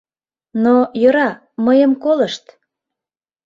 Но, йӧра, мыйым колышт.